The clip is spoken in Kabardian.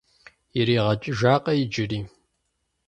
Иригъэкӏыжакъэ иджыри?